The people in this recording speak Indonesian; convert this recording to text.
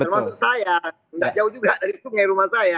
termasuk saya tidak jauh juga dari sungai rumah saya